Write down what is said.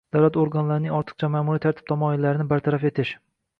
davlat organlarining ortiqcha ma’muriy tartib-taomillarini bartaraf etish